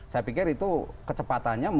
saya pikir itu kecepatannya